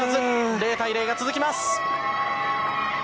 ０対０が続きます。